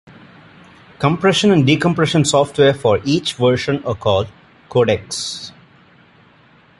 Compression and decompression software for each version are called "codecs".